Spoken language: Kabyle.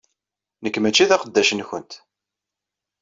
Nekk mačči d aqeddac-nkent.